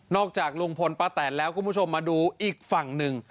จากลุงพลป้าแตนแล้วคุณผู้ชมมาดูอีกฝั่งหนึ่ง